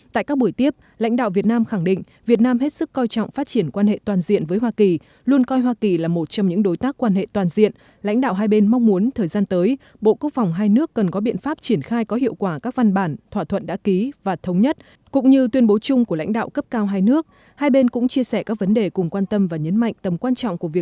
tại các buổi tiếp lãnh đạo việt nam cho biết việt nam mong muốn kazakhstan tích cực ủng hộ việc duy trì hòa bình ổn định và phát triển ủng hộ việc giải quyết các tranh chấp thông qua các biện pháp hòa bình đàm phán ngoại giao tôn trọng luật pháp quốc tế